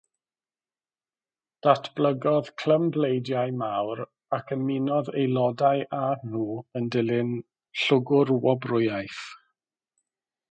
Datblygodd clymbleidiau mawr, ac ymunodd aelodau â nhw yn dilyn llwgrwobrwyaeth.